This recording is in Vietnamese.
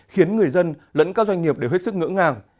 khiến người dân lẫn các doanh nghiệp đều hết sức ngỡ ngàng